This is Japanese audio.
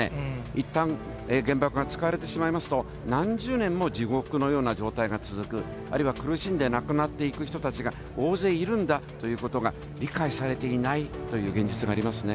いったん原爆が使われてしまいますと、何十年も地獄のような状態が続く、あるいは苦しんで亡くなっていく人たちが大勢いるんだということが理解されていないという現実がありますね。